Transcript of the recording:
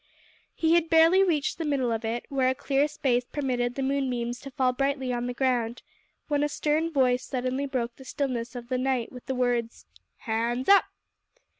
He had barely reached the middle of it, where a clear space permitted the moonbeams to fall brightly on the ground, when a stern voice suddenly broke the stillness of the night with the words "Hands up!"